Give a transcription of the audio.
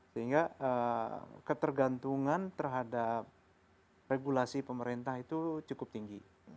sehingga ketergantungan terhadap regulasi pemerintah itu cukup tinggi